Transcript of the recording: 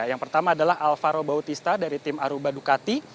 yang pertama adalah alvaro bautista dari tim aruba ducati